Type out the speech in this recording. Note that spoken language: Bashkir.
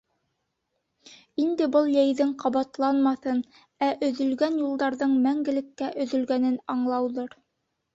Инде был йәйҙең ҡабатланмаҫын, ә өҙөлгән юлдарҙың мәңгелеккә өҙөлгәнен аңлауҙыр.